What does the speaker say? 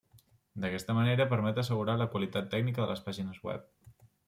D'aquesta manera permet assegurar la qualitat tècnica de les pàgines web.